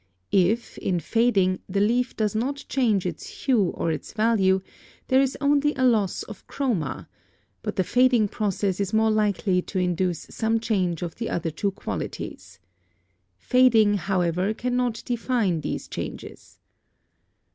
If, in fading, the leaf does not change its hue or its value, there is only a loss of chroma, but the fading process is more likely to induce some change of the other two qualities. Fading, however, cannot define these changes.